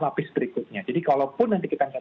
lapis berikutnya jadi kalaupun nanti kita nggak